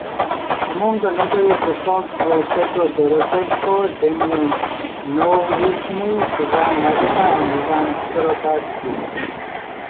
Among the notorious osauls were Petro Doroshenko, Demian Mnohohrishny, Ivan Mazepa, and Ivan Skoropadsky.